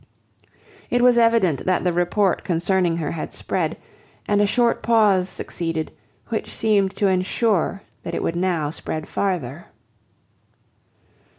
It was evident that the report concerning her had spread, and a short pause succeeded, which seemed to ensure that it would now spread farther.